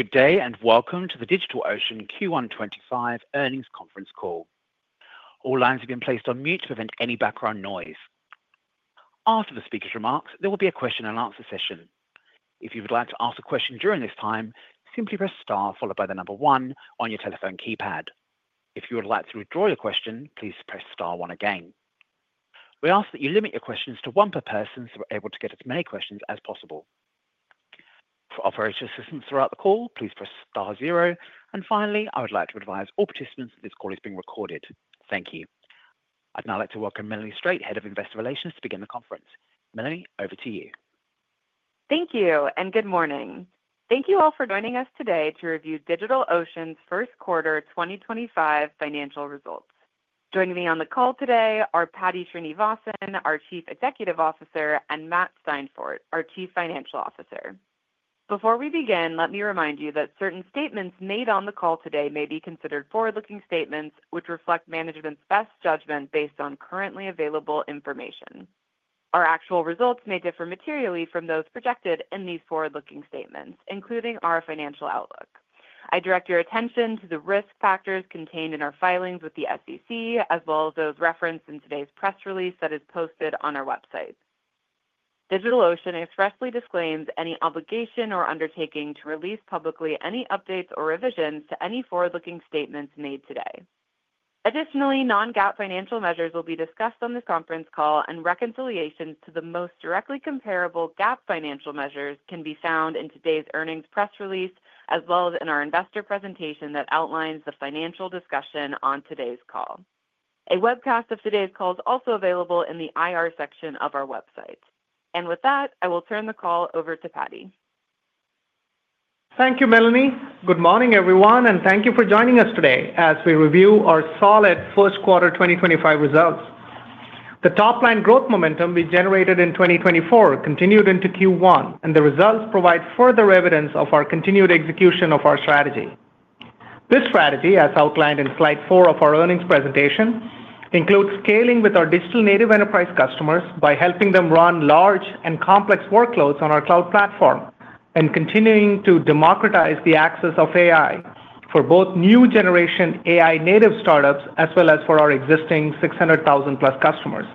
Good day and welcome to the DigitalOcean Q1 2025 earnings conference call. All lines have been placed on mute to prevent any background noise. After the speaker's remarks, there will be a question-and-answer session. If you would like to ask a question during this time, simply press star followed by the number one on your telephone keypad. If you would like to withdraw your question, please press star one again. We ask that you limit your questions to one per person so we are able to get as many questions as possible. For operator assistance throughout the call, please press star zero. Finally, I would like to advise all participants that this call is being recorded. Thank you. I would now like to welcome Melanie Strate, Head of Investor Relations, to begin the conference. Melanie, over to you. Thank you and good morning. Thank you all for joining us today to review DigitalOcean's first quarter 2025 financial results. Joining me on the call today are Paddy Srinivasan, our Chief Executive Officer, and Matt Steinfort, our Chief Financial Officer. Before we begin, let me remind you that certain statements made on the call today may be considered forward-looking statements which reflect management's best judgment based on currently available information. Our actual results may differ materially from those projected in these forward-looking statements, including our financial outlook. I direct your attention to the risk factors contained in our filings with the SEC, as well as those referenced in today's press release that is posted on our website. DigitalOcean expressly disclaims any obligation or undertaking to release publicly any updates or revisions to any forward-looking statements made today. Additionally, non-GAAP financial measures will be discussed on this conference call, and reconciliations to the most directly comparable GAAP financial measures can be found in today's earnings press release, as well as in our investor presentation that outlines the financial discussion on today's call. A webcast of today's call is also available in the IR section of our website. With that, I will turn the call over to Paddy. Thank you, Melanie. Good morning, everyone, and thank you for joining us today as we review our solid first quarter 2025 results. The top-line growth momentum we generated in 2024 continued into Q1, and the results provide further evidence of our continued execution of our strategy. This strategy, as outlined in slide four of our earnings presentation, includes scaling with our digital native enterprise customers by helping them run large and complex workloads on our cloud platform and continuing to democratize the access of AI for both new generation AI native startups as well as for our existing 600,000-plus customers.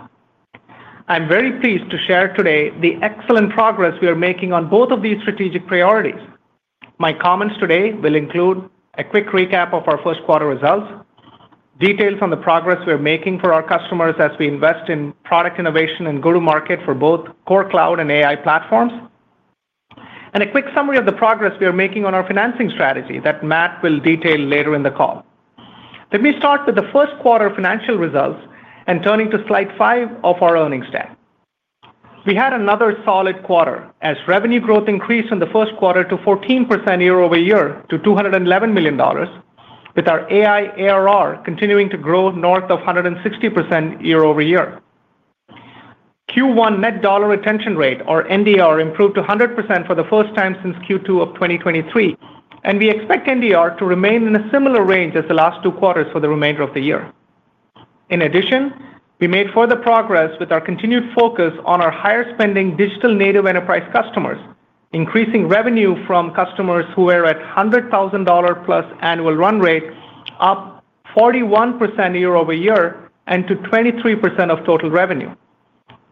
I'm very pleased to share today the excellent progress we are making on both of these strategic priorities. My comments today will include a quick recap of our first quarter results, details on the progress we are making for our customers as we invest in product innovation and go-to-market for both Core Cloud and AI platforms, and a quick summary of the progress we are making on our financing strategy that Matt will detail later in the call. Let me start with the first quarter financial results and turn to slide five of our earnings stat. We had another solid quarter as revenue growth increased in the first quarter to 14% year-over-year to $211 million, with our AI ARR continuing to grow north of 160% year-over-year. Q1 Net Dollar Retention rate, or NDR, improved to 100% for the first time since Q2 of 2023, and we expect NDR to remain in a similar range as the last two quarters for the remainder of the year. In addition, we made further progress with our continued focus on our higher spending Digital Native Enterprise customers, increasing revenue from customers who were at $100,000-plus annual run rate up 41% year-over-year and to 23% of total revenue.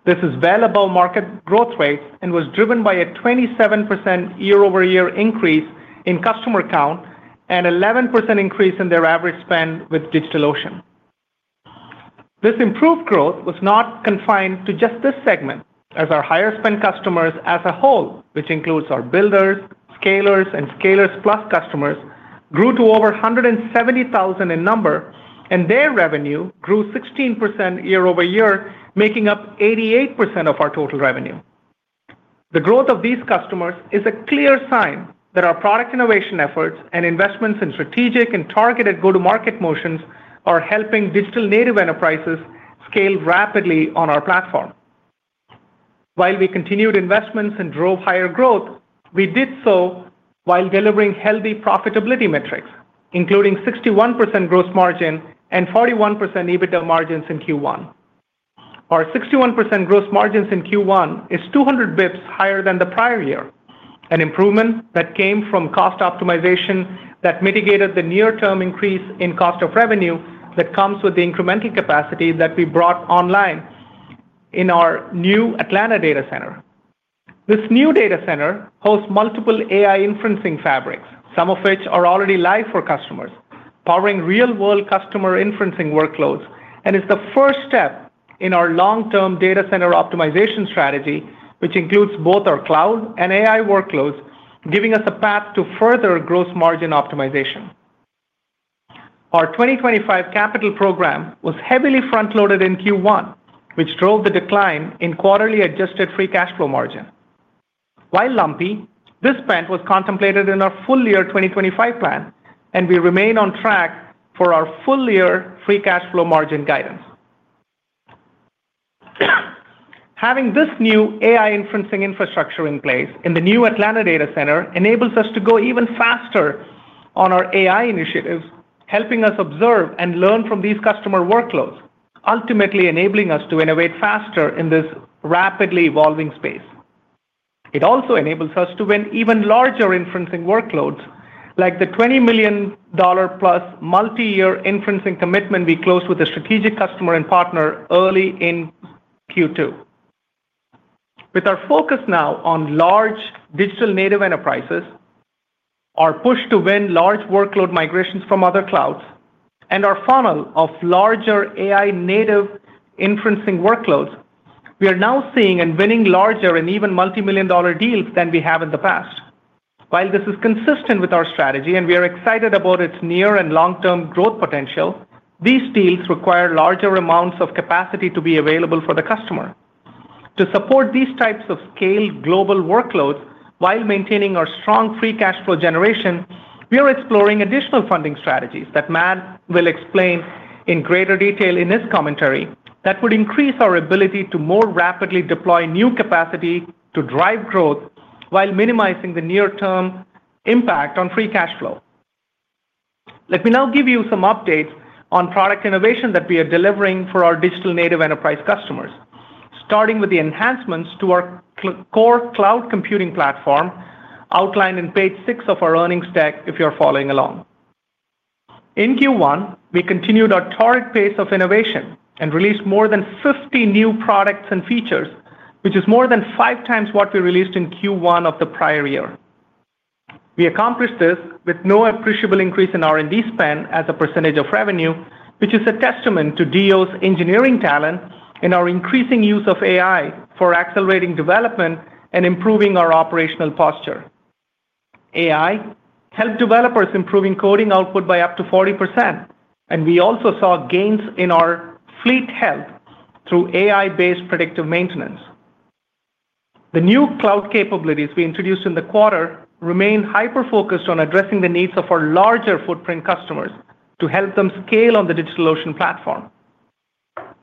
This is well above market growth rates and was driven by a 27% year-over-year increase in customer count and an 11% increase in their average spend with DigitalOcean. This improved growth was not confined to just this segment, as our higher spend customers as a whole, which includes our builders, scalers, and scalers-plus customers, grew to over 170,000 in number, and their revenue grew 16% year-over-year, making up 88% of our total revenue. The growth of these customers is a clear sign that our product innovation efforts and investments in strategic and targeted go-to-market motions are helping digital native enterprises scale rapidly on our platform. While we continued investments and drove higher growth, we did so while delivering healthy profitability metrics, including 61% gross margin and 41% EBITDA margins in Q1. Our 61% gross margins in Q1 is 200 basis points higher than the prior year, an improvement that came from cost optimization that mitigated the near-term increase in cost of revenue that comes with the incremental capacity that we brought online in our new Atlanta Data Center. This new data center hosts multiple AI inferencing fabrics, some of which are already live for customers, powering real-world customer inferencing workloads, and is the first step in our long-term data center optimization strategy, which includes both our cloud and AI workloads, giving us a path to further gross margin optimization. Our 2025 capital program was heavily front-loaded in Q1, which drove the decline in quarterly adjusted free cash flow margin. While lumpy, this spend was contemplated in our full year 2025 plan, and we remain on track for our full year free cash flow margin guidance. Having this new AI inferencing infrastructure in place in the new Atlanta Data Center enables us to go even faster on our AI initiatives, helping us observe and learn from these customer workloads, ultimately enabling us to innovate faster in this rapidly evolving space. It also enables us to win even larger inferencing workloads, like the $20 million-plus multi-year inferencing commitment we closed with a strategic customer and partner early in Q2. With our focus now on large digital native enterprises, our push to win large workload migrations from other clouds, and our funnel of larger AI native inferencing workloads, we are now seeing and winning larger and even multi-million dollar deals than we have in the past. While this is consistent with our strategy and we are excited about its near and long-term growth potential, these deals require larger amounts of capacity to be available for the customer. To support these types of scaled global workloads while maintaining our strong free cash flow generation, we are exploring additional funding strategies that Matt will explain in greater detail in his commentary that would increase our ability to more rapidly deploy new capacity to drive growth while minimizing the near-term impact on free cash flow. Let me now give you some updates on product innovation that we are delivering for our DigitalNative Enterprise customers, starting with the enhancements to our Core Cloud Computing Platform outlined in page six of our earnings stat, if you're following along. In Q1, we continued our torrid pace of innovation and released more than 50 new products and features, which is more than five times what we released in Q1 of the prior year. We accomplished this with no appreciable increase in R&D spend as a percentage of revenue, which is a testament to DO's engineering talent and our increasing use of AI for accelerating development and improving our operational posture. AI helped developers improve coding output by up to 40%, and we also saw gains in our fleet health through AI-based predictive maintenance. The new cloud capabilities we introduced in the quarter remain hyper-focused on addressing the needs of our larger footprint customers to help them scale on the DigitalOcean platform.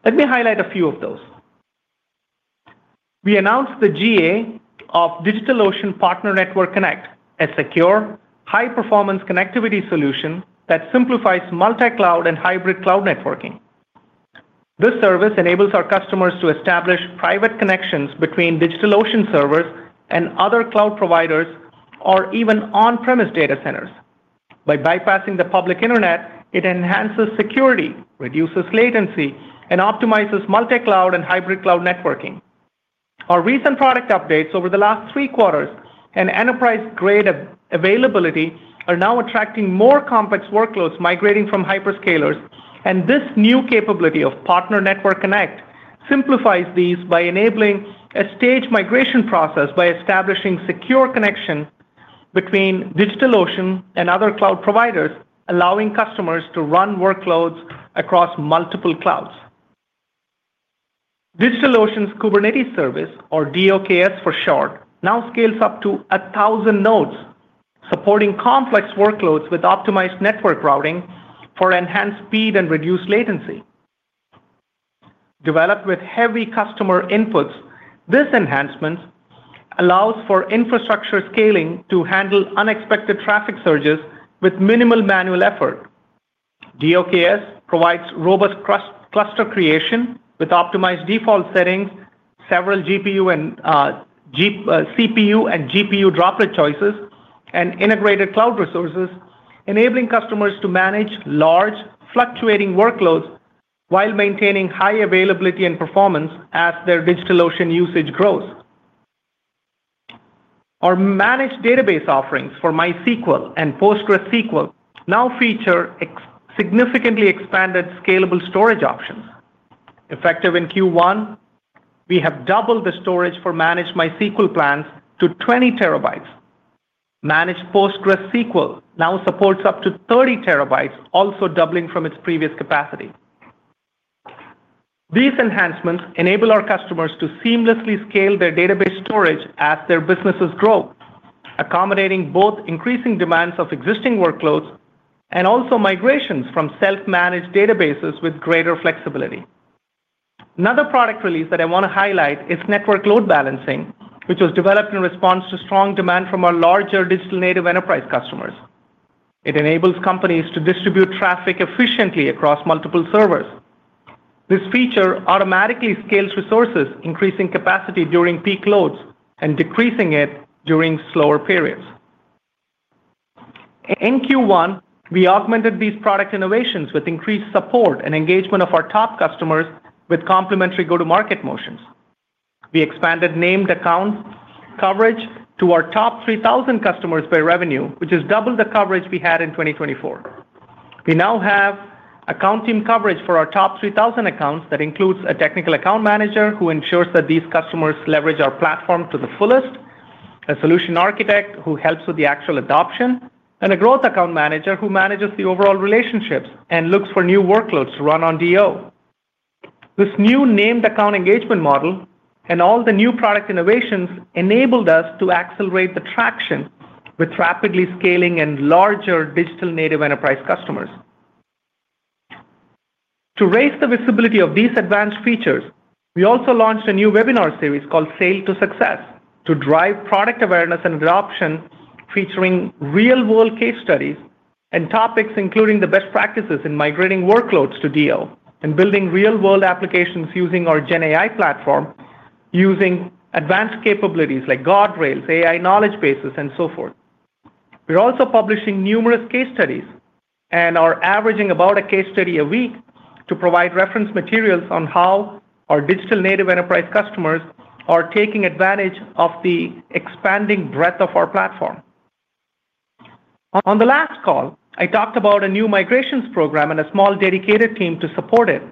Let me highlight a few of those. We announced the GA of DigitalOcean Partner Network Connect, a secure, high-performance connectivity solution that simplifies multi-cloud and hybrid cloud networking. This service enables our customers to establish private connections between DigitalOcean servers and other cloud providers or even on-premise data centers. By bypassing the public internet, it enhances security, reduces latency, and optimizes multi-cloud and hybrid cloud networking. Our recent product updates over the last three quarters and enterprise-grade availability are now attracting more complex workloads migrating from hyperscalers, and this new capability of Partner Network Connect simplifies these by enabling a staged migration process by establishing secure connection between DigitalOcean and other cloud providers, allowing customers to run workloads across multiple clouds. DigitalOcean's Kubernetes service, or DOKS for short, now scales up to 1,000 nodes, supporting complex workloads with optimized network routing for enhanced speed and reduced latency. Developed with heavy customer inputs, this enhancement allows for infrastructure scaling to handle unexpected traffic surges with minimal manual effort. DOKS provides robust cluster creation with optimized default settings, several CPU and GPU Droplet choices, and integrated cloud resources, enabling customers to manage large, fluctuating workloads while maintaining high availability and performance as their DigitalOcean usage grows. Our managed database offerings for MySQL and PostgreSQL now feature significantly expanded scalable storage options. Effective in Q1, we have doubled the storage for managed MySQL plans to 20 TB. Managed PostgreSQL now supports up to 30 TB, also doubling from its previous capacity. These enhancements enable our customers to seamlessly scale their database storage as their businesses grow, accommodating both increasing demands of existing workloads and also migrations from self-managed databases with greater flexibility. Another product release that I want to highlight is Network Load Balancing, which was developed in response to strong demand from our larger digital native enterprise customers. It enables companies to distribute traffic efficiently across multiple servers. This feature automatically scales resources, increasing capacity during peak loads and decreasing it during slower periods. In Q1, we augmented these product innovations with increased support and engagement of our top customers with complementary go-to-market motions. We expanded named account coverage to our top 3,000 customers by revenue, which is double the coverage we had in 2024. We now have account team coverage for our top 3,000 accounts that includes a Technical Account Manager who ensures that these customers leverage our platform to the fullest, a Solution Architect who helps with the actual adoption, and a Growth Account Manager who manages the overall relationships and looks for new workloads to run on DigitalOcean. This new named account engagement model and all the new product innovations enabled us to accelerate the traction with rapidly scaling and larger digital native enterprise customers. To raise the visibility of these advanced features, we also launched a new webinar series called Sail to Success to drive product awareness and adoption, featuring real-world case studies and topics including the best practices in migrating workloads to DO and building real-world applications using our GenAI platform, using advanced capabilities like guardrails, AI knowledge bases, and so forth. We're also publishing numerous case studies and are averaging about a case study a week to provide reference materials on how our digital native enterprise customers are taking advantage of the expanding breadth of our platform. On the last call, I talked about a new migrations program and a small dedicated team to support it,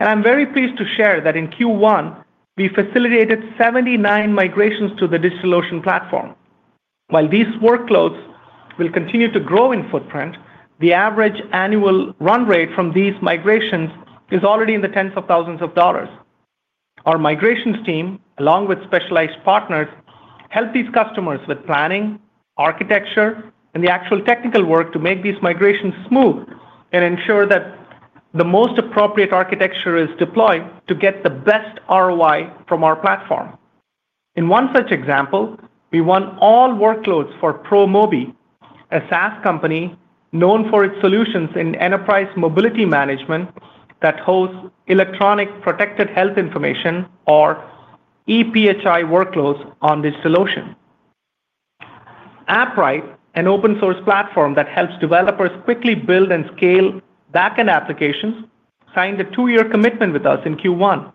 and I'm very pleased to share that in Q1, we facilitated 79 migrations to the DigitalOcean platform. While these workloads will continue to grow in footprint, the average annual run rate from these migrations is already in the tens of thousands of dollars. Our migrations team, along with specialized partners, help these customers with planning, architecture, and the actual technical work to make these migrations smooth and ensure that the most appropriate architecture is deployed to get the best ROI from our platform. In one such example, we won all workloads for ProMobi, a SaaS company known for its solutions in enterprise mobility management that hosts Electronic Protected Health Information, or ePHI workloads, on DigitalOcean. Appwrite, an open-source platform that helps developers quickly build and scale backend applications, signed a two-year commitment with us in Q1.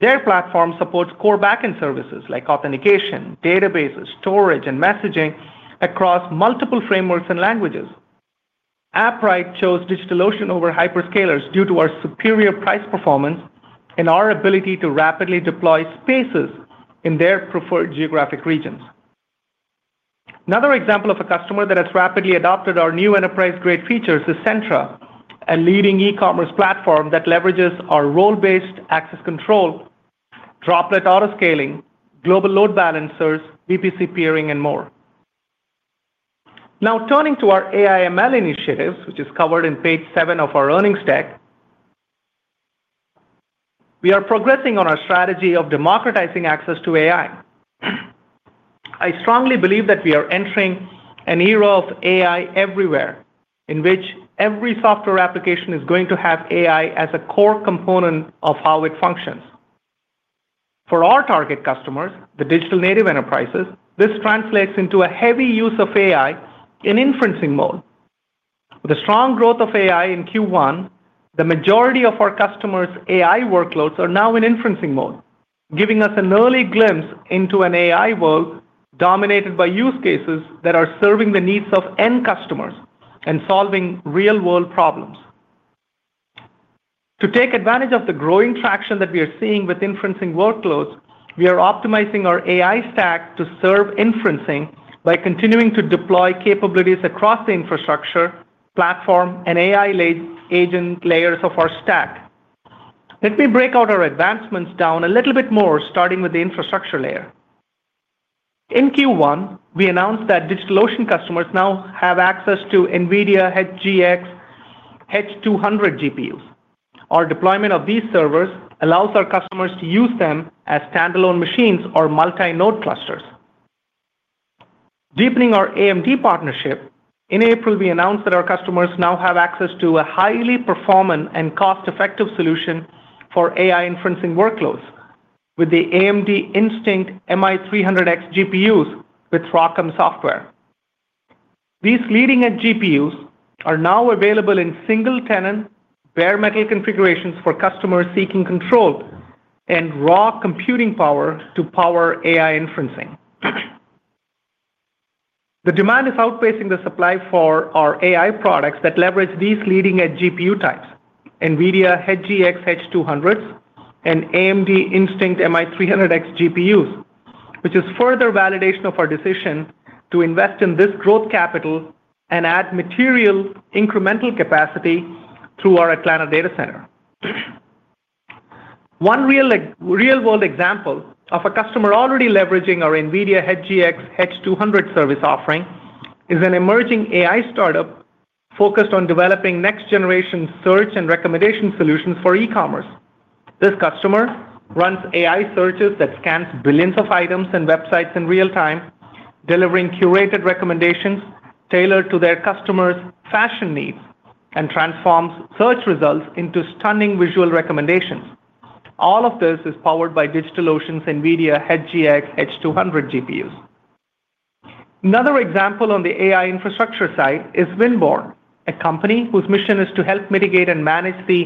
Their platform supports core backend services like authentication, databases, storage, and messaging across multiple frameworks and languages. Appwrite chose DigitalOcean over hyperscalers due to our superior price performance and our ability to rapidly deploy spaces in their preferred geographic regions. Another example of a customer that has rapidly adopted our new enterprise-grade features is Centra, a leading e-commerce platform that leverages our role-based access control, Droplet Autoscale Pools, Global Load Balancers, VPC Peering, and more. Now, turning to our AI/ML initiatives, which is covered in page seven of our earnings stat, we are progressing on our strategy of democratizing access to AI. I strongly believe that we are entering an era of AI everywhere, in which every software application is going to have AI as a core component of how it functions. For our target customers, the digital native enterprises, this translates into a heavy use of AI in inferencing mode. With the strong growth of AI in Q1, the majority of our customers' AI workloads are now in inferencing mode, giving us an early glimpse into an AI world dominated by use cases that are serving the needs of end customers and solving real-world problems. To take advantage of the growing traction that we are seeing with inferencing workloads, we are optimizing our AI stack to serve inferencing by continuing to deploy capabilities across the infrastructure, platform, and AI agent layers of our stack. Let me break out our advancements down a little bit more, starting with the infrastructure layer. In Q1, we announced that DigitalOcean customers now have access to NVIDIA HGX H200 GPUs. Our deployment of these servers allows our customers to use them as standalone machines or multi-node clusters. Deepening our AMD partnership, in April, we announced that our customers now have access to a highly performant and cost-effective solution for AI inferencing workloads with the AMD Instinct MI300X GPUs with ROCm software. These leading-edge GPUs are now available in single-tenant bare-metal configurations for customers seeking control and raw computing power to power AI inferencing. The demand is outpacing the supply for our AI products that leverage these leading-edge GPU types, NVIDIA HGX H200s and AMD Instinct MI300X GPUs, which is further validation of our decision to invest in this growth capital and add material incremental capacity through our Atlanta Data Center. One real-world example of a customer already leveraging our NVIDIA HGX H200 service offering is an emerging AI startup focused on developing next-generation search and recommendation solutions for e-commerce. This customer runs AI searches that scan billions of items and websites in real time, delivering curated recommendations tailored to their customers' fashion needs and transforms search results into stunning visual recommendations. All of this is powered by DigitalOcean's NVIDIA HGX H200 GPUs. Another example on the AI infrastructure side is WindBorne, a company whose mission is to help mitigate and manage the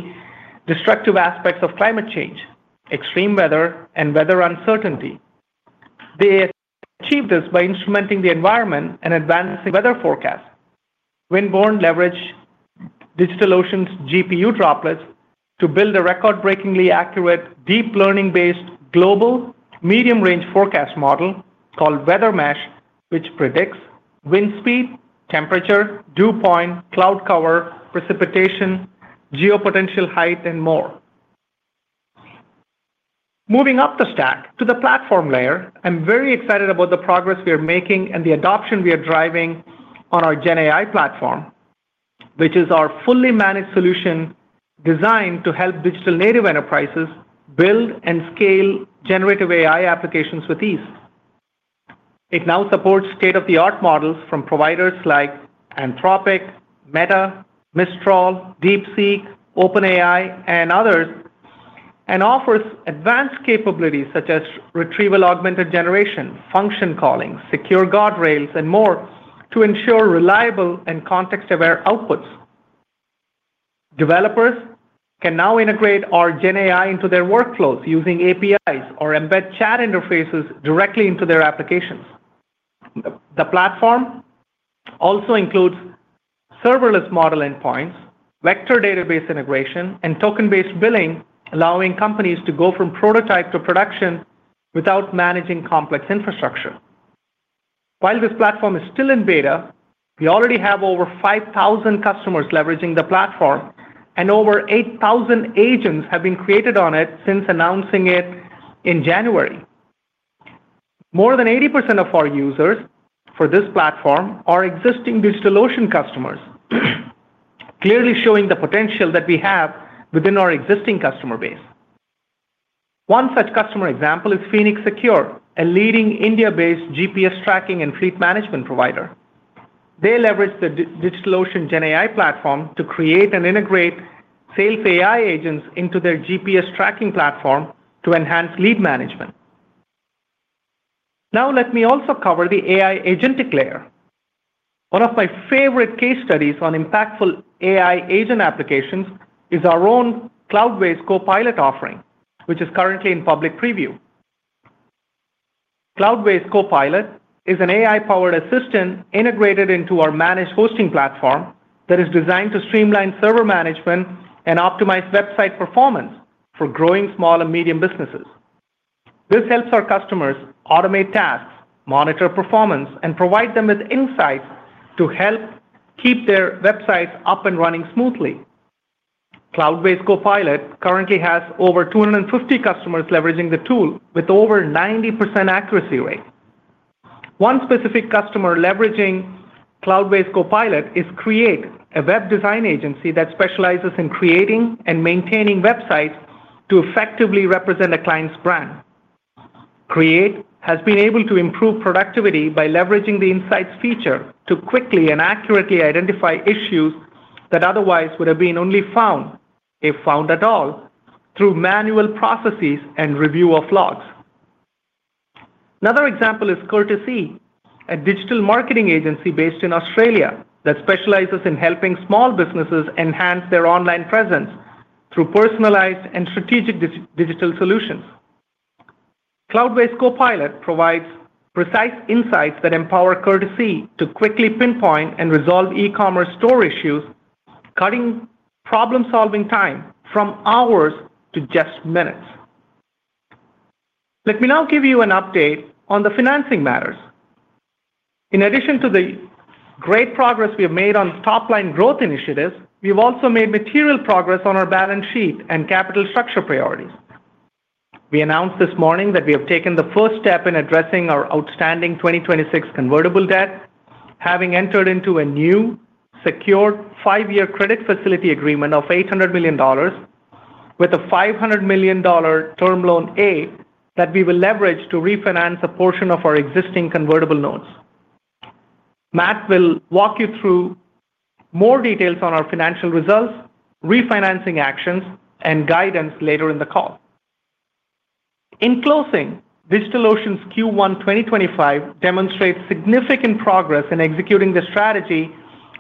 destructive aspects of climate change, extreme weather, and weather uncertainty. They achieve this by instrumenting the environment and advancing weather forecasts. WindBorne leveraged DigitalOcean's GPU Droplets to build a record-breakingly accurate deep learning-based global medium-range forecast model called WeatherMesh, which predicts wind speed, temperature, dew point, cloud cover, precipitation, geopotential height, and more. Moving up the stack to the platform layer, I'm very excited about the progress we are making and the adoption we are driving on our GenAI platform, which is our fully managed solution designed to help digital native enterprises build and scale generative AI applications with ease. It now supports state-of-the-art models from providers like Anthropic, Meta, Mistral, DeepSeek, OpenAI, and others, and offers advanced capabilities such as retrieval augmented generation, function calling, secure guardrails, and more to ensure reliable and context-aware outputs. Developers can now integrate our GenAI into their workflows using APIs or embed chat interfaces directly into their applications. The platform also includes serverless model endpoints, vector database integration, and token-based billing, allowing companies to go from prototype to production without managing complex infrastructure. While this platform is still in beta, we already have over 5,000 customers leveraging the platform, and over 8,000 agents have been created on it since announcing it in January. More than 80% of our users for this platform are existing DigitalOcean customers, clearly showing the potential that we have within our existing customer base. One such customer example is Phoenix Secure, a leading India-based GPS tracking and fleet management provider. They leverage the DigitalOcean GenAI platform to create and integrate safe AI agents into their GPS tracking platform to enhance fleet management. Now, let me also cover the AI agentic layer. One of my favorite case studies on impactful AI agent applications is our own Cloudways Copilot offering, which is currently in public preview. Cloudways Copilot is an AI-powered assistant integrated into our managed hosting platform that is designed to streamline server management and optimize website performance for growing small and medium businesses. This helps our customers automate tasks, monitor performance, and provide them with insights to help keep their websites up and running smoothly. Cloudways Copilot currently has over 250 customers leveraging the tool with over 90% accuracy rate. One specific customer leveraging Cloudways Copilot is Create, a web design agency that specializes in creating and maintaining websites to effectively represent a client's brand. Create has been able to improve productivity by leveraging the Insights feature to quickly and accurately identify issues that otherwise would have been only found, if found at all, through manual processes and review of logs. Another example is Courtesy, a digital marketing agency based in Australia that specializes in helping small businesses enhance their online presence through personalized and strategic digital solutions. Cloudways Copilot provides precise insights that empower Courtesy to quickly pinpoint and resolve e-commerce store issues, cutting problem-solving time from hours to just minutes. Let me now give you an update on the financing matters. In addition to the great progress we have made on top-line growth initiatives, we've also made material progress on our balance sheet and capital structure priorities. We announced this morning that we have taken the first step in addressing our outstanding 2026 convertible debt, having entered into a new secure five-year credit facility agreement of $800 million with a $500 million Term Loan A that we will leverage to refinance a portion of our existing convertible notes. Matt will walk you through more details on our financial results, refinancing actions, and guidance later in the call. In closing, DigitalOcean's Q1 2025 demonstrates significant progress in executing the strategy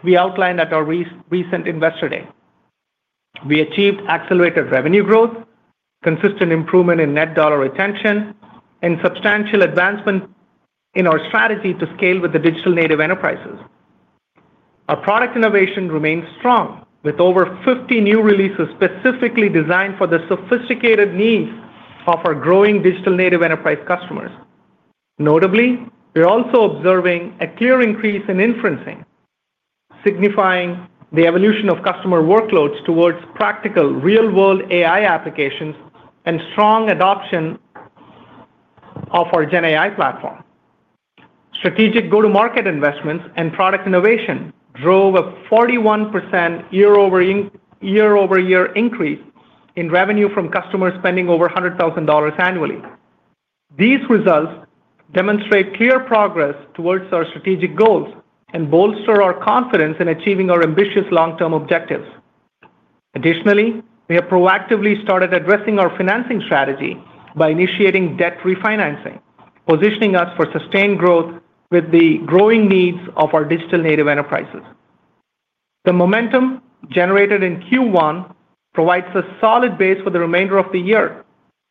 we outlined at our recent investor day. We achieved accelerated revenue growth, consistent improvement in net dollar retention, and substantial advancement in our strategy to scale with the digital native enterprises. Our product innovation remains strong, with over 50 new releases specifically designed for the sophisticated needs of our growing digital native enterprise customers. Notably, we're also observing a clear increase in inferencing, signifying the evolution of customer workloads towards practical real-world AI applications and strong adoption of our GenAI platform. Strategic go-to-market investments and product innovation drove a 41% year-over-year increase in revenue from customers spending over $100,000 annually. These results demonstrate clear progress towards our strategic goals and bolster our confidence in achieving our ambitious long-term objectives. Additionally, we have proactively started addressing our financing strategy by initiating debt refinancing, positioning us for sustained growth with the growing needs of our digital native enterprises. The momentum generated in Q1 provides a solid base for the remainder of the year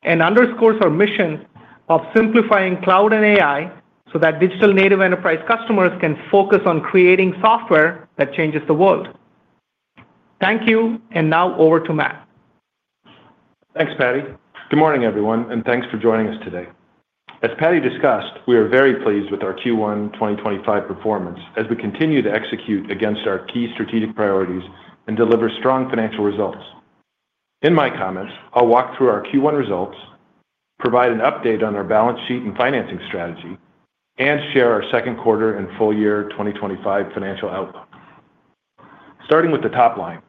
and underscores our mission of simplifying cloud and AI so that digital native enterprise customers can focus on creating software that changes the world. Thank you, and now over to Matt. Thanks, Paddy. Good morning, everyone, and thanks for joining us today. As Paddy discussed, we are very pleased with our Q1 2025 performance as we continue to execute against our key strategic priorities and deliver strong financial results. In my comments, I'll walk through our Q1 results, provide an update on our balance sheet and financing strategy, and share our second quarter and full year 2025 financial outlook. Starting with the top line,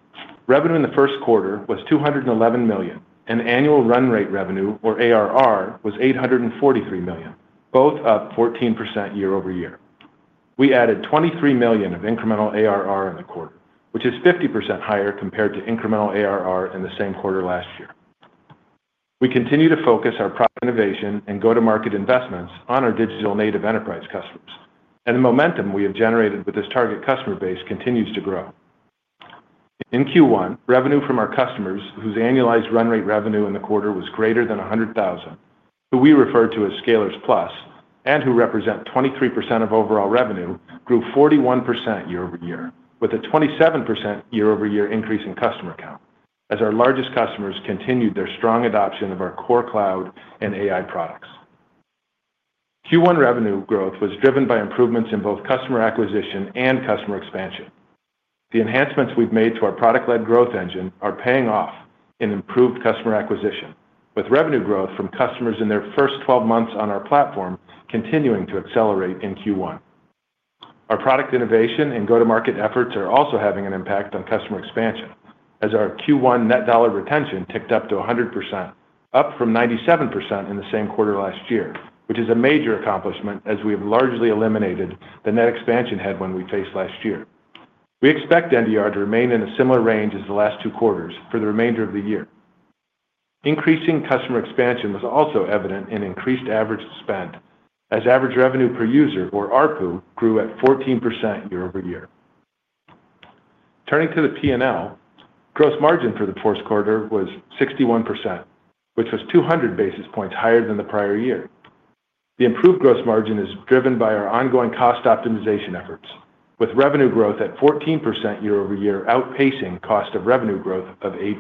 revenue in the first quarter was $211 million, and Annual Run Rate Revenue, or ARR, was $843 million, both up 14% year-over-year. We added $23 million of incremental ARR in the quarter, which is 50% higher compared to incremental ARR in the same quarter last year. We continue to focus our product innovation and go-to-market investments on our digital native enterprise customers, and the momentum we have generated with this target customer base continues to grow. In Q1, revenue from our customers whose Annualized Run Rate Revenue in the quarter was greater than $100,000, who we refer to as scalers plus and who represent 23% of overall revenue, grew 41% year-over-year with a 27% year-over-year increase in customer count as our largest customers continued their strong adoption of our core cloud and AI products. Q1 revenue growth was driven by improvements in both customer acquisition and customer expansion. The enhancements we've made to our product-led growth engine are paying off in improved customer acquisition, with revenue growth from customers in their first 12 months on our platform continuing to accelerate in Q1. Our product innovation and go-to-market efforts are also having an impact on customer expansion as our Q1 Net Dollar Retention ticked up to 100%, up from 97% in the same quarter last year, which is a major accomplishment as we have largely eliminated the net expansion headwind we faced last year. We expect NDR to remain in a similar range as the last two quarters for the remainder of the year. Increasing customer expansion was also evident in increased average spend as Average Revenue Per User, or ARPU, grew at 14% year-over-year. Turning to the P&L, gross margin for the first quarter was 61%, which was 200 basis points higher than the prior year. The improved gross margin is driven by our ongoing cost optimization efforts, with revenue growth at 14% year-over-year outpacing cost of revenue growth of 8%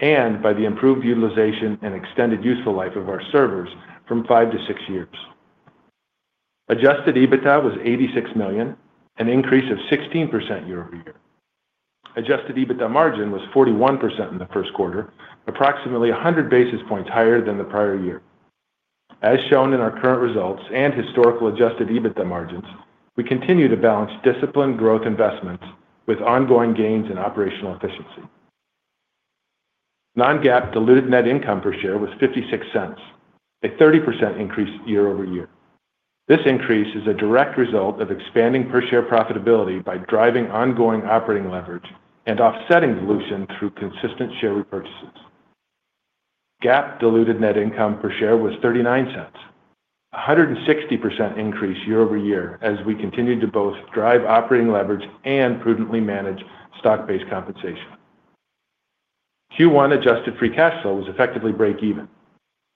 and by the improved utilization and extended useful life of our servers from five to six years. Adjusted EBITDA was $86 million, an increase of 16% year-over-year. Adjusted EBITDA margin was 41% in the first quarter, approximately 100 basis points higher than the prior year. As shown in our current results and historical adjusted EBITDA margins, we continue to balance disciplined growth investments with ongoing gains in operational efficiency. Non-GAAP diluted net income per share was $0.56, a 30% increase year-over-year. This increase is a direct result of expanding per share profitability by driving ongoing operating leverage and offsetting dilution through consistent share repurchases. GAAP diluted net income per share was $0.39, a 160% increase year-over-year as we continue to both drive operating leverage and prudently manage stock-based compensation. Q1 adjusted free cash flow was effectively break-even.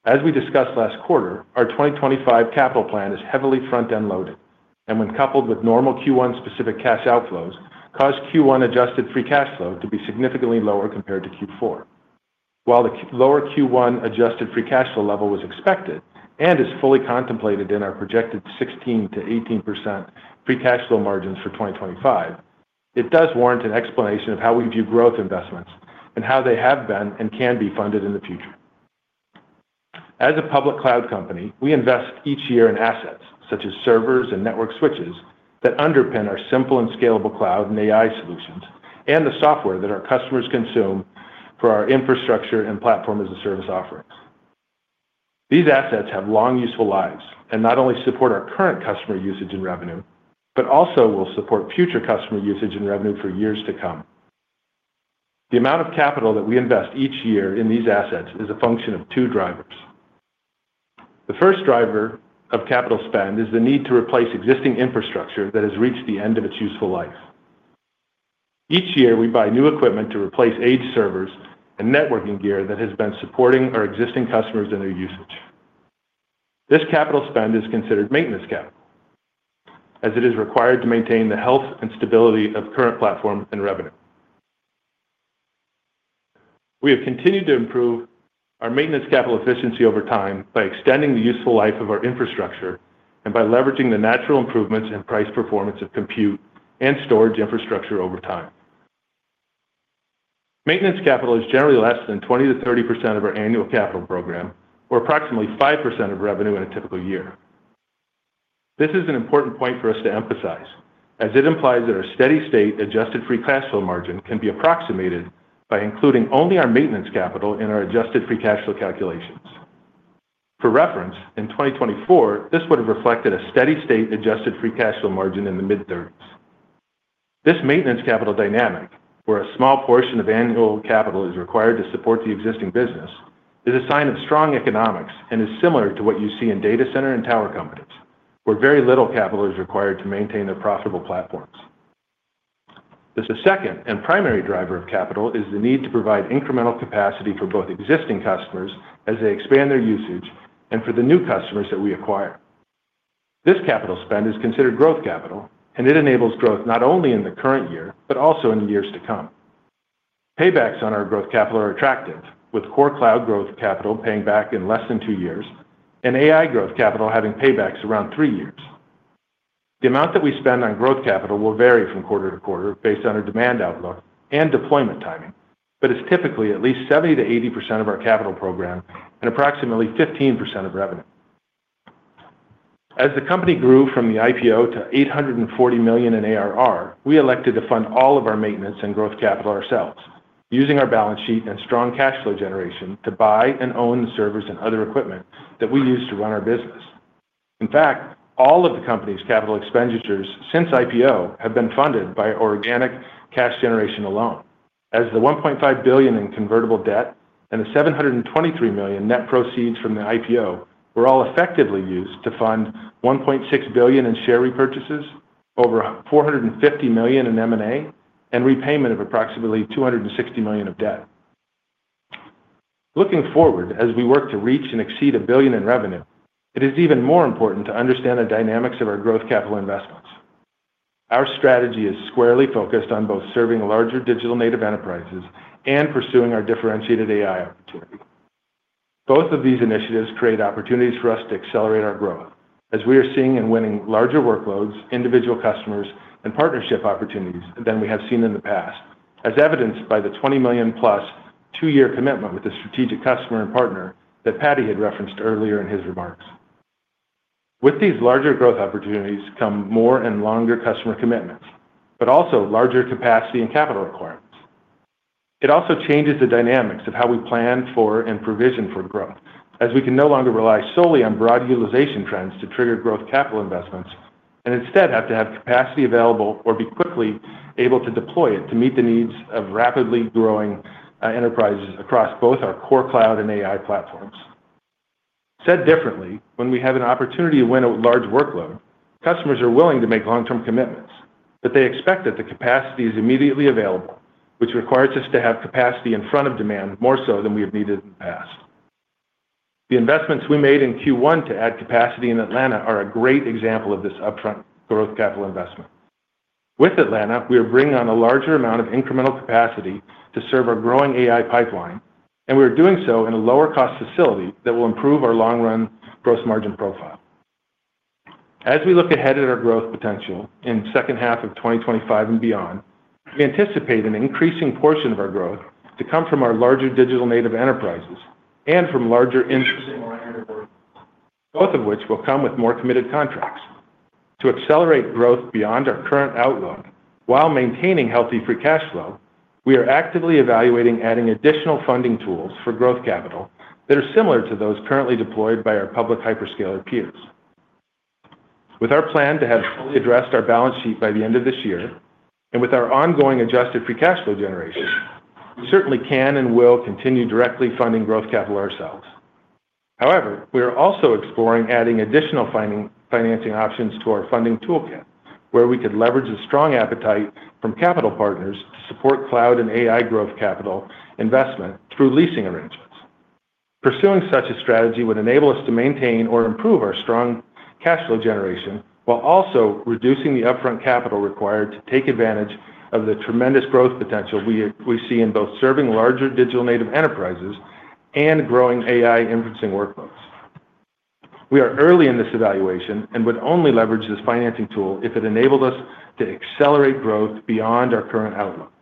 As we discussed last quarter, our 2025 capital plan is heavily front-end loaded, and when coupled with normal Q1 specific cash outflows, caused Q1 adjusted free cash flow to be significantly lower compared to Q4. While the lower Q1 adjusted free cash flow level was expected and is fully contemplated in our projected 16%-18% free cash flow margins for 2025, it does warrant an explanation of how we view growth investments and how they have been and can be funded in the future. As a public cloud company, we invest each year in assets such as servers and network switches that underpin our simple and scalable cloud and AI solutions and the software that our customers consume for our infrastructure and Platform-as-a-Service offerings. These assets have long useful lives and not only support our current customer usage and revenue, but also will support future customer usage and revenue for years to come. The amount of capital that we invest each year in these assets is a function of two drivers. The first driver of capital spend is the need to replace existing infrastructure that has reached the end of its useful life. Each year, we buy new equipment to replace aged servers and networking gear that has been supporting our existing customers and their usage. This capital spend is considered maintenance capital as it is required to maintain the health and stability of current platform and revenue. We have continued to improve our maintenance capital efficiency over time by extending the useful life of our infrastructure and by leveraging the natural improvements in price performance of compute and storage infrastructure over time. Maintenance capital is generally less than 20%-30% of our annual capital program, or approximately 5% of revenue in a typical year. This is an important point for us to emphasize as it implies that our steady-state adjusted free cash flow margin can be approximated by including only our maintenance capital in our adjusted free cash flow calculations. For reference, in 2024, this would have reflected a steady-state adjusted free cash flow margin in the mid-30s. This maintenance capital dynamic, where a small portion of annual capital is required to support the existing business, is a sign of strong economics and is similar to what you see in data center and tower companies, where very little capital is required to maintain their profitable platforms. The second and primary driver of capital is the need to provide incremental capacity for both existing customers as they expand their usage and for the new customers that we acquire. This capital spend is considered Growth Capital, and it enables growth not only in the current year but also in the years to come. Paybacks on our growth capital are attractive, with core cloud growth capital paying back in less than two years and AI growth capital having paybacks around three years. The amount that we spend on growth capital will vary from quarter to quarter based on our demand outlook and deployment timing, but is typically at least 70%-80% of our capital program and approximately 15% of revenue. As the company grew from the IPO to $840 million in ARR, we elected to fund all of our maintenance and growth capital ourselves, using our balance sheet and strong cash flow generation to buy and own the servers and other equipment that we use to run our business. In fact, all of the company's capital expenditures since IPO have been funded by organic cash generation alone, as the $1.5 billion in convertible debt and the $723 million net proceeds from the IPO were all effectively used to fund $1.6 billion in share repurchases, over $450 million in M&A, and repayment of approximately $260 million of debt. Looking forward, as we work to reach and exceed a billion in revenue, it is even more important to understand the dynamics of our growth capital investments. Our strategy is squarely focused on both serving larger digital native enterprises and pursuing our differentiated AI opportunity. Both of these initiatives create opportunities for us to accelerate our growth, as we are seeing and winning larger workloads, individual customers, and partnership opportunities than we have seen in the past, as evidenced by the $20 million-plus two-year commitment with the strategic customer and partner that Paddy had referenced earlier in his remarks. With these larger growth opportunities come more and longer customer commitments, but also larger capacity and capital requirements. It also changes the dynamics of how we plan for and provision for growth, as we can no longer rely solely on broad utilization trends to trigger growth capital investments and instead have to have capacity available or be quickly able to deploy it to meet the needs of rapidly growing enterprises across both our Core Cloud and AI platforms. Said differently, when we have an opportunity to win a large workload, customers are willing to make long-term commitments, but they expect that the capacity is immediately available, which requires us to have capacity in front of demand more so than we have needed in the past. The investments we made in Q1 to add capacity in Atlanta are a great example of this upfront growth capital investment. With Atlanta, we are bringing on a larger amount of incremental capacity to serve our growing AI pipeline, and we are doing so in a lower-cost facility that will improve our long-run gross margin profile. As we look ahead at our growth potential in the second half of 2025 and beyond, we anticipate an increasing portion of our growth to come from our larger digital native enterprises and from larger industry marketers, both of which will come with more committed contracts. To accelerate growth beyond our current outlook while maintaining healthy free cash flow, we are actively evaluating adding additional funding tools for growth capital that are similar to those currently deployed by our public hyperscaler peers. With our plan to have fully addressed our balance sheet by the end of this year and with our ongoing adjusted free cash flow generation, we certainly can and will continue directly funding growth capital ourselves. However, we are also exploring adding additional financing options to our funding toolkit, where we could leverage the strong appetite from capital partners to support cloud and AI growth capital investment through leasing arrangements. Pursuing such a strategy would enable us to maintain or improve our strong cash flow generation while also reducing the upfront capital required to take advantage of the tremendous growth potential we see in both serving larger digital native enterprises and growing AI inferencing workloads. We are early in this evaluation and would only leverage this financing tool if it enabled us to accelerate growth beyond our current outlook.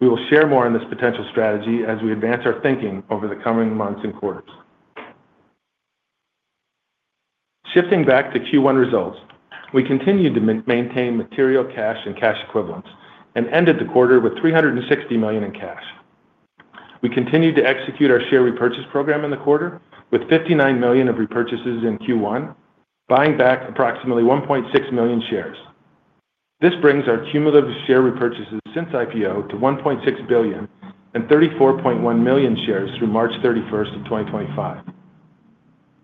We will share more on this potential strategy as we advance our thinking over the coming months and quarters. Shifting back to Q1 results, we continued to maintain material cash and cash equivalents and ended the quarter with $360 million in cash. We continued to execute our share repurchase program in the quarter with $59 million of repurchases in Q1, buying back approximately 1.6 million shares. This brings our cumulative share repurchases since IPO to $1.6 billion and 34.1 million shares through March 31 of 2025.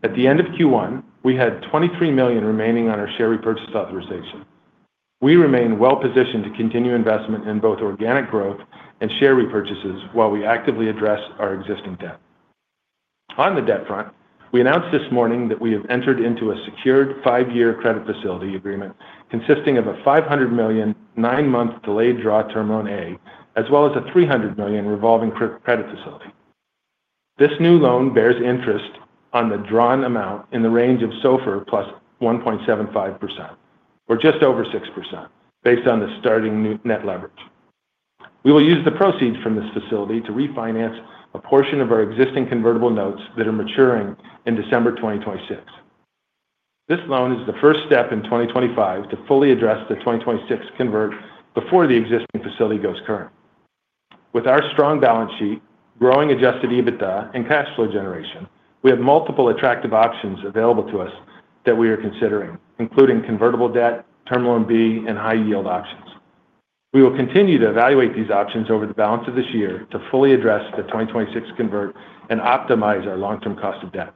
At the end of Q1, we had $23 million remaining on our share repurchase authorization. We remain well-positioned to continue investment in both organic growth and share repurchases while we actively address our existing debt. On the debt front, we announced this morning that we have entered into a secured five-year credit facility agreement consisting of a $500 million nine-month delayed draw Term Loan A, as well as a $300 million revolving credit facility. This new loan bears interest on the drawn amount in the range of SOFR + 1.75%, or just over 6%, based on the starting net leverage. We will use the proceeds from this facility to refinance a portion of our existing convertible notes that are maturing in December 2026. This loan is the first step in 2025 to fully address the 2026 convert before the existing facility goes current. With our strong balance sheet, growing adjusted EBITDA, and cash flow generation, we have multiple attractive options available to us that we are considering, including convertible debt, Term Loan B, and high-yield options. We will continue to evaluate these options over the balance of this year to fully address the 2026 convert and optimize our long-term cost of debt.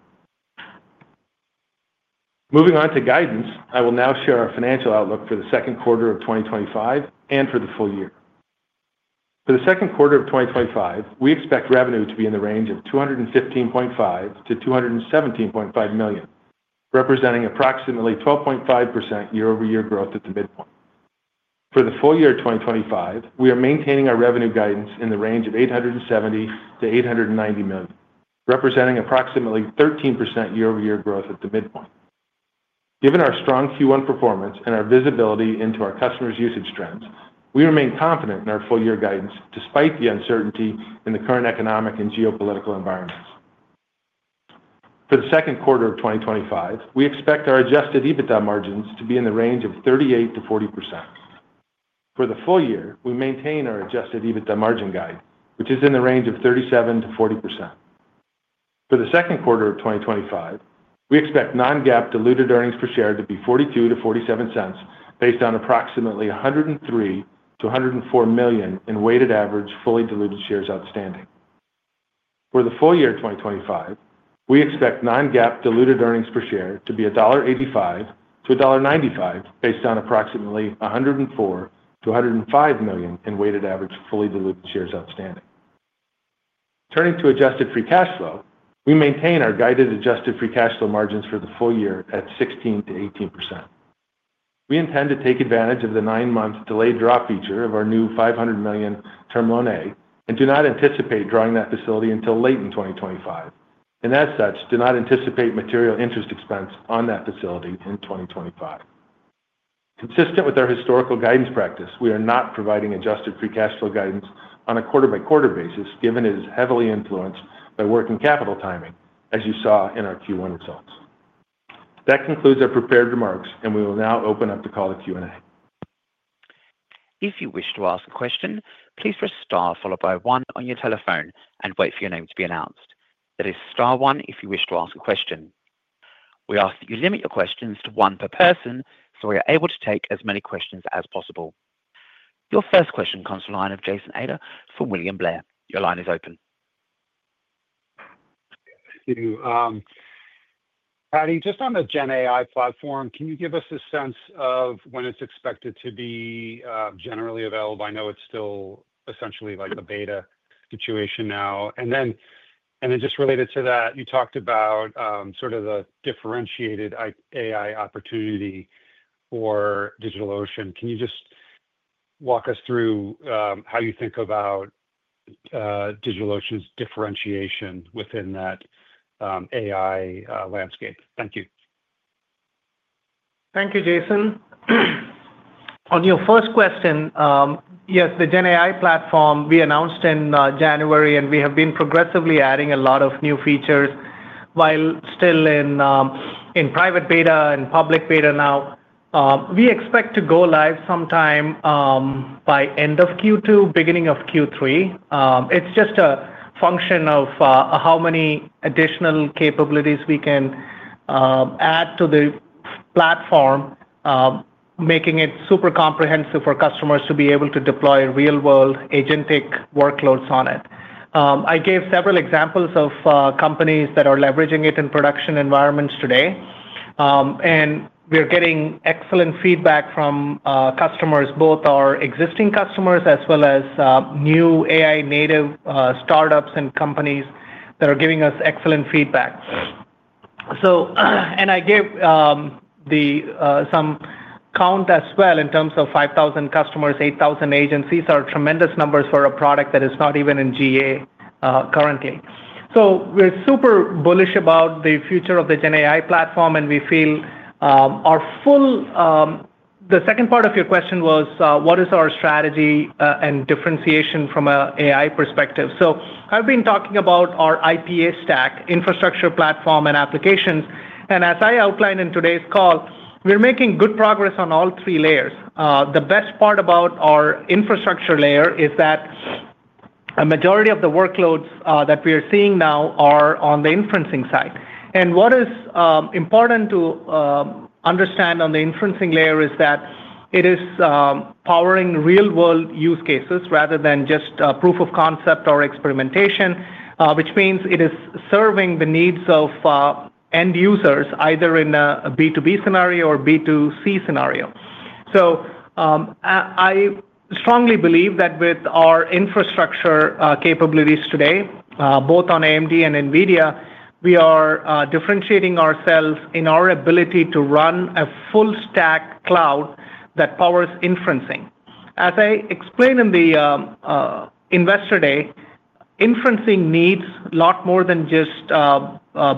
Moving on to guidance, I will now share our financial outlook for the second quarter of 2025 and for the full year. For the second quarter of 2025, we expect revenue to be in the range of $215.5-$217.5 million, representing approximately 12.5% year-over-year growth at the midpoint. For the full year of 2025, we are maintaining our revenue guidance in the range of $870-$890 million, representing approximately 13% year-over-year growth at the midpoint. Given our strong Q1 performance and our visibility into our customers' usage trends, we remain confident in our full-year guidance despite the uncertainty in the current economic and geopolitical environments. For the second quarter of 2025, we expect our adjusted EBITDA margins to be in the range of 38%-40%. For the full year, we maintain our adjusted EBITDA margin guide, which is in the range of 37%-40%. For the second quarter of 2025, we expect non-GAAP diluted earnings per share to be $0.42-$0.47 based on approximately 103 million-104 million in weighted average fully diluted shares outstanding. For the full year of 2025, we expect non-GAAP diluted earnings per share to be $1.85-$1.95 based on approximately 104 million-105 million in weighted average fully diluted shares outstanding. Turning to adjusted free cash flow, we maintain our guided adjusted free cash flow margins for the full year at 16%-18%. We intend to take advantage of the nine-month delayed draw feature of our new $500 million Term Loan A and do not anticipate drawing that facility until late in 2025, and as such, do not anticipate material interest expense on that facility in 2025. Consistent with our historical guidance practice, we are not providing adjusted free cash flow guidance on a quarter-by-quarter basis given it is heavily influenced by working capital timing, as you saw in our Q1 results. That concludes our prepared remarks, and we will now open up the call to Q&A. If you wish to ask a question, please press Star followed by one on your telephone and wait for your name to be announced. That is Star one if you wish to ask a question. We ask that you limit your questions to one per person so we are able to take as many questions as possible. Your first question comes from the line of Jason Ader from William Blair. Your line is open. Thank you. Paddy, just on the GenAI platform, can you give us a sense of when it's expected to be generally available? I know it's still essentially like a beta situation now. Then just related to that, you talked about sort of the differentiated AI opportunity for DigitalOcean. Can you just walk us through how you think about DigitalOcean's differentiation within that AI landscape? Thank you. Thank you, Jason. On your first question, yes, the GenAI platform we announced in January, and we have been progressively adding a lot of new features while still in private beta and public beta now. We expect to go live sometime by end of Q2, beginning of Q3. It's just a function of how many additional capabilities we can add to the platform, making it super comprehensive for customers to be able to deploy real-world agentic workloads on it. I gave several examples of companies that are leveraging it in production environments today, and we are getting excellent feedback from customers, both our existing customers as well as new AI-native startups and companies that are giving us excellent feedback. I gave some count as well in terms of 5,000 customers, 8,000 agencies, are tremendous numbers for a product that is not even in GA currently. We're super bullish about the future of the GenAI platform, and we feel our full, the second part of your question was, what is our strategy and differentiation from an AI perspective? I've been talking about our IPA stack, Infrastructure, Platform, and Applications, and as I outlined in today's call, we're making good progress on all three layers. The best part about our infrastructure layer is that a majority of the workloads that we are seeing now are on the inferencing side. What is important to understand on the inferencing layer is that it is powering real-world use cases rather than just proof of concept or experimentation, which means it is serving the needs of end users either in a B2B scenario or B2C scenario. I strongly believe that with our infrastructure capabilities today, both on AMD and NVIDIA, we are differentiating ourselves in our ability to run a full-stack cloud that powers inferencing. As I explained in the investor day, inferencing needs a lot more than just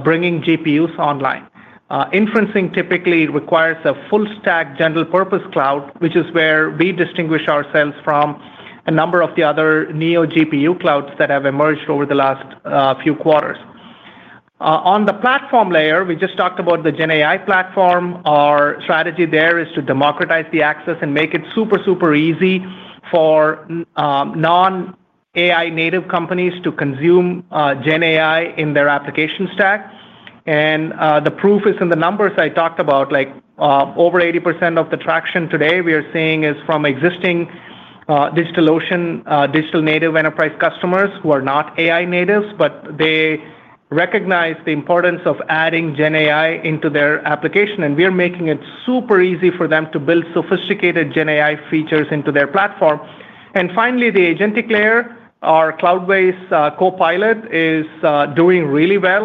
bringing GPUs online. Inferencing typically requires a full-stack general-purpose cloud, which is where we distinguish ourselves from a number of the other neo GPU clouds that have emerged over the last few quarters. On the platform layer, we just talked about the GenAI platform. Our strategy there is to democratize the access and make it super, super easy for non-AI-native companies to consume GenAI in their application stack. The proof is in the numbers I talked about. Over 80% of the traction today we are seeing is from existing DigitalOcean digital native enterprise customers who are not AI natives, but they recognize the importance of adding GenAI into their application, and we are making it super easy for them to build sophisticated GenAI features into their platform. Finally, the agentic layer, our Cloudways Copilot, is doing really well.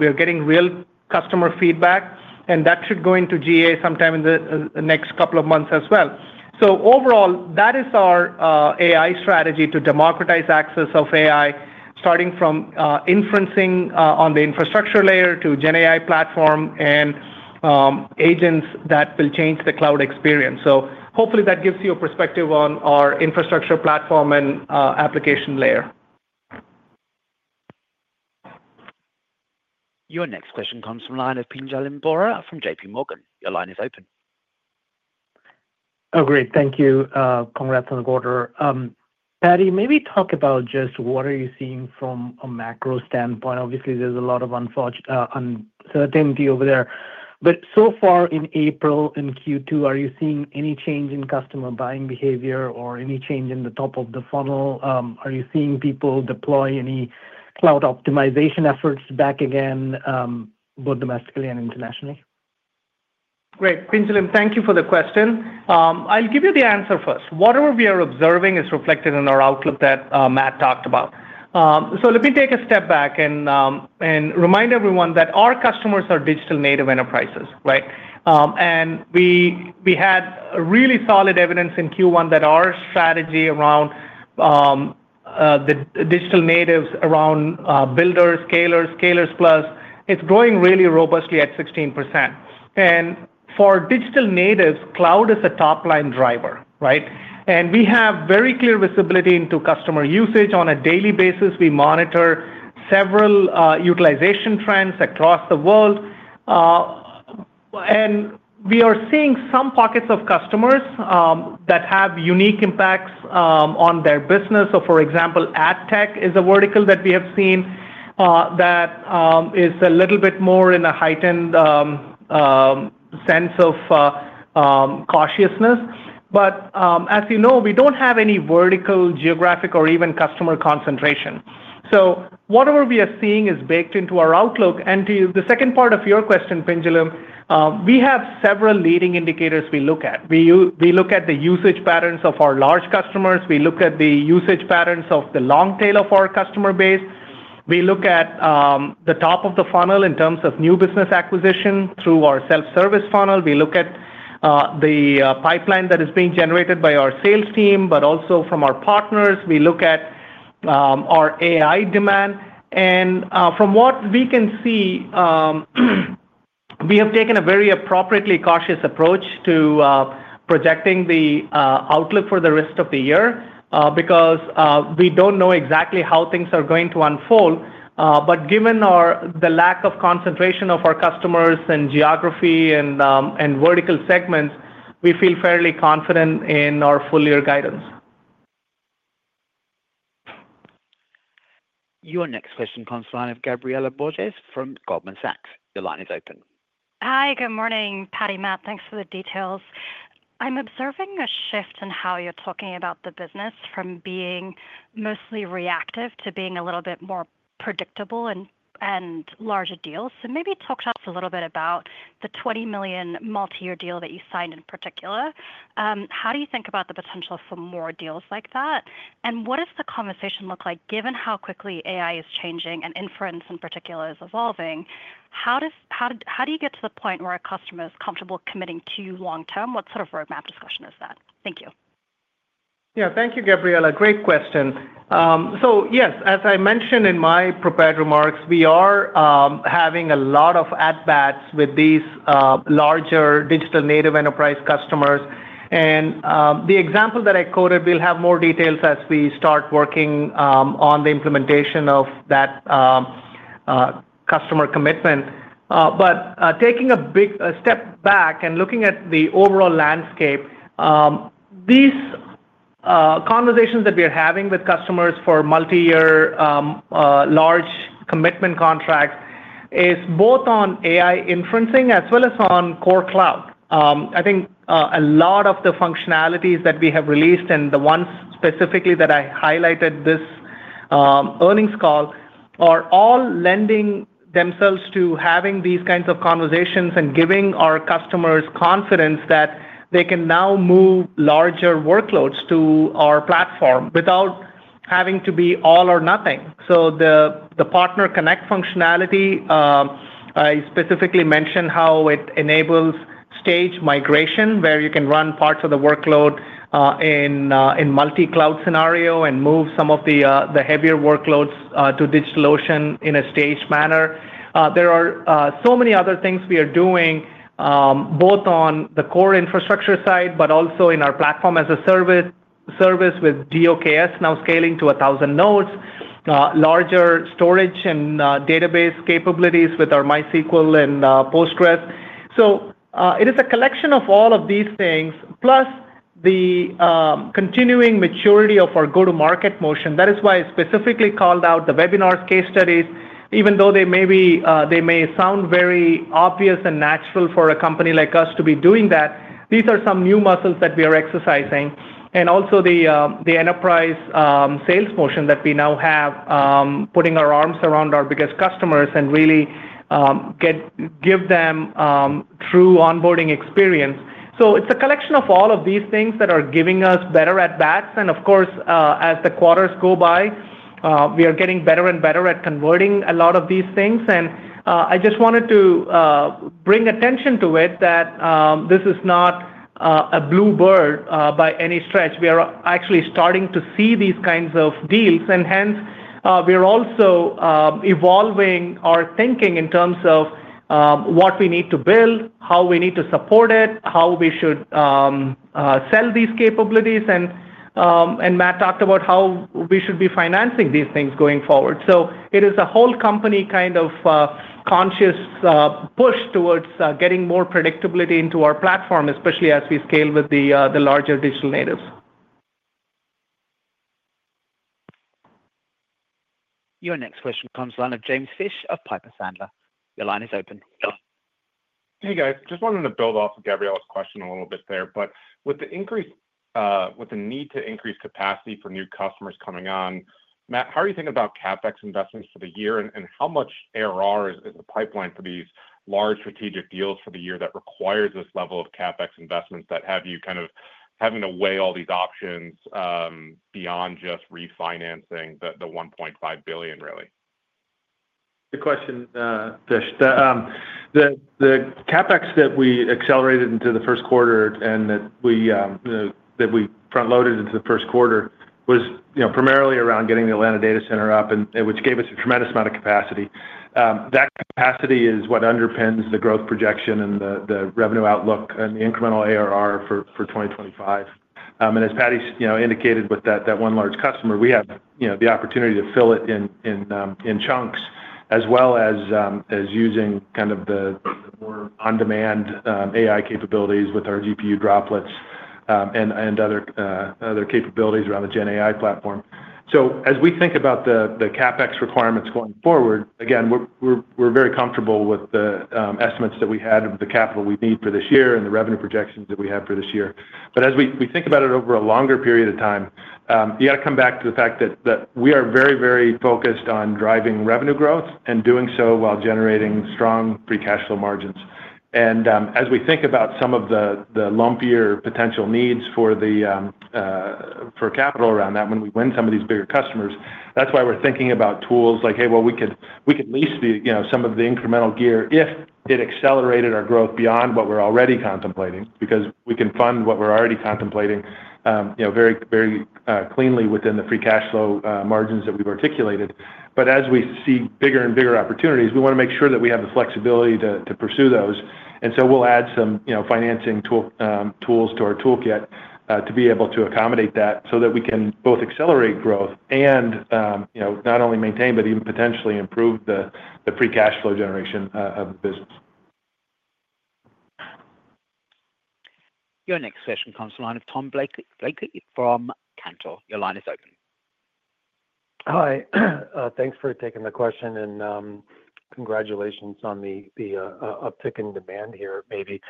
We are getting real customer feedback, and that should go into GA sometime in the next couple of months as well. Overall, that is our AI strategy to democratize access of AI, starting from inferencing on the infrastructure layer to GenAI platform and agents that will change the cloud experience. Hopefully that gives you a perspective on our infrastructure platform and application layer. Your next question comes from the line of Pinjalim Bora from J.P.Morgan. Your line is open. Oh, great. Thank you. Congrats on the order. Paddy, maybe talk about just what are you seeing from a macro standpoint? Obviously, there's a lot of uncertainty over there. But so far in April, in Q2, are you seeing any change in customer buying behavior or any change in the top of the funnel? Are you seeing people deploy any cloud optimization efforts back again, both domestically and internationally? Great. Pinjalim, thank you for the question. I'll give you the answer first. Whatever we are observing is reflected in our outlook that Matt talked about. Let me take a step back and remind everyone that our customers are digital native enterprises, right? And we had really solid evidence in Q1 that our strategy around the digital natives around builders, scalers, scalers plus, it's growing really robustly at 16%. For digital natives, cloud is a top-line driver, right? We have very clear visibility into customer usage on a daily basis. We monitor several utilization trends across the world, and we are seeing some pockets of customers that have unique impacts on their business. For example, ad tech is a vertical that we have seen that is a little bit more in a heightened sense of cautiousness. As you know, we do not have any vertical, geographic, or even customer concentration. Whatever we are seeing is baked into our outlook. To the second part of your question, Pinjalim, we have several leading indicators we look at. We look at the usage patterns of our large customers. We look at the usage patterns of the long tail of our customer base. We look at the top of the funnel in terms of new business acquisition through our self-service funnel. We look at the pipeline that is being generated by our sales team, but also from our partners. We look at our AI demand. From what we can see, we have taken a very appropriately cautious approach to projecting the outlook for the rest of the year because we do not know exactly how things are going to unfold. Given the lack of concentration of our customers and geography and vertical segments, we feel fairly confident in our full-year guidance. Your next question comes from the line of Gabriela Borges from Goldman Sachs. Your line is open. Hi, good morning, Paddy, Matt. Thanks for the details. I'm observing a shift in how you're talking about the business from being mostly reactive to being a little bit more predictable and larger deals. Maybe talk to us a little bit about the $20 million multi-year deal that you signed in particular. How do you think about the potential for more deals like that? What does the conversation look like given how quickly AI is changing and inference in particular is evolving? How do you get to the point where a customer is comfortable committing to you long-term? What sort of roadmap discussion is that? Thank you. Yeah, thank you, Gabriela. Great question. Yes, as I mentioned in my prepared remarks, we are having a lot of at bats with these larger digital native enterprise customers. The example that I quoted, we'll have more details as we start working on the implementation of that customer commitment. Taking a big step back and looking at the overall landscape, these conversations that we are having with customers for multi-year large commitment contracts is both on AI inferencing as well as on core cloud. I think a lot of the functionalities that we have released and the ones specifically that I highlighted this earnings call are all lending themselves to having these kinds of conversations and giving our customers confidence that they can now move larger workloads to our platform without having to be all or nothing. The partner connect functionality, I specifically mentioned how it enables stage migration where you can run parts of the workload in a multi-cloud scenario and move some of the heavier workloads to DigitalOcean in a staged manner. There are so many other things we are doing both on the core infrastructure side, but also in our Platform as a Service with DOKS now scaling to 1,000 nodes, larger storage and database capabilities with our MySQL and Postgres. It is a collection of all of these things, plus the continuing maturity of our go-to-market motion. That is why I specifically called out the webinars, case studies, even though they may sound very obvious and natural for a company like us to be doing that. These are some new muscles that we are exercising and also the enterprise sales motion that we now have, putting our arms around our biggest customers and really give them true onboarding experience. It is a collection of all of these things that are giving us better at bats. Of course, as the quarters go by, we are getting better and better at converting a lot of these things. I just wanted to bring attention to it that this is not a blue bird by any stretch. We are actually starting to see these kinds of deals, and hence we are also evolving our thinking in terms of what we need to build, how we need to support it, how we should sell these capabilities. Matt talked about how we should be financing these things going forward. It is a whole company kind of conscious push towards getting more predictability into our platform, especially as we scale with the larger digital natives. Your next question comes to the line of James Fish of Piper Sandler. Your line is open. Hey, guys. Just wanted to build off of Gabriela's question a little bit there. With the need to increase capacity for new customers coming on, Matt, how are you thinking about CapEx investments for the year and how much ARR is in the pipeline for these large strategic deals for the year that requires this level of CapEx investments that have you kind of having to weigh all these options beyond just refinancing the $1.5 billion, really? Good question, Fish. The CapEx that we accelerated into the first quarter and that we front-loaded into the first quarter was primarily around getting the Atlanta Data Center up, which gave us a tremendous amount of capacity. That capacity is what underpins the growth projection and the revenue outlook and the incremental ARR for 2025. As Paddy indicated with that one large customer, we have the opportunity to fill it in chunks as well as using kind of the more on-demand AI capabilities with our GPU Droplets and other capabilities around the GenAI Platform. As we think about the CapEx requirements going forward, again, we're very comfortable with the estimates that we had of the capital we need for this year and the revenue projections that we have for this year. As we think about it over a longer period of time, you got to come back to the fact that we are very, very focused on driving revenue growth and doing so while generating strong free cash flow margins. As we think about some of the lumpier potential needs for capital around that when we win some of these bigger customers, that's why we're thinking about tools like, "Hey, well, we could lease some of the incremental gear if it accelerated our growth beyond what we're already contemplating because we can fund what we're already contemplating very cleanly within the free cash flow margins that we've articulated." As we see bigger and bigger opportunities, we want to make sure that we have the flexibility to pursue those. We'll add some financing tools to our toolkit to be able to accommodate that so that we can both accelerate growth and not only maintain, but even potentially improve the free cash flow generation of the business. Your next question comes to the line of Tom Blakey from Cantor. Your line is open. Hi. Thanks for taking the question and congratulations on the uptick in demand here, maybe.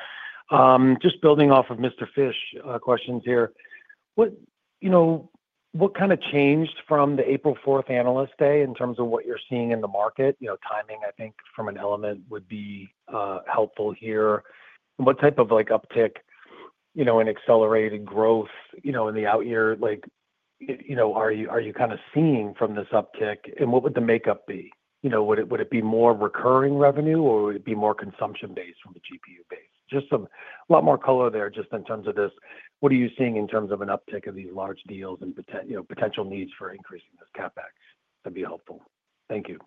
Just building off of Mr. Fish's questions here, what kind of changed from the April 4th analyst day in terms of what you're seeing in the market? Timing, I think, from an element would be helpful here. What type of uptick and accelerated growth in the out year are you kind of seeing from this uptick? What would the makeup be? Would it be more recurring revenue or would it be more consumption-based from the GPU base? Just a lot more color there just in terms of this. What are you seeing in terms of an uptick of these large deals and potential needs for increasing this CapEx? That'd be helpful. Thank you.